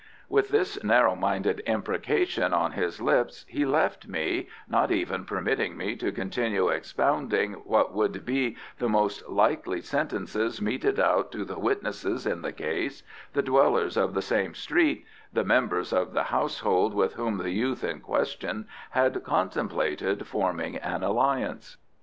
With this narrow minded imprecation on his lips he left me, not even permitting me to continue expounding what would be the most likely sentences meted out to the witnesses in the case, the dwellers of the same street, and the members of the household with whom the youth in question had contemplated forming an alliance.